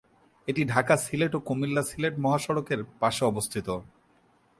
এটি ঢাকা-সিলেট ও কুমিল্লা সিলেট মহাসড়কের পাশে অবস্থিত।